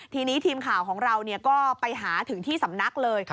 ทีนี้ทีมข่าวของเราก็ไปหาถึงที่สำนักเลย